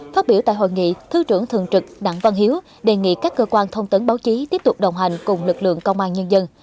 phát biểu tại hội nghị thứ trưởng thường trực đặng văn hiếu đề nghị các cơ quan thông tấn báo chí tiếp tục đồng hành cùng lực lượng công an nhân dân